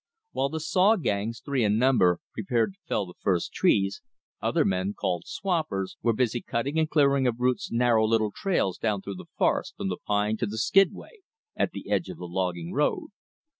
While the "saw gangs," three in number, prepared to fell the first trees, other men, called "swampers," were busy cutting and clearing of roots narrow little trails down through the forest from the pine to the skidway at the edge of the logging road.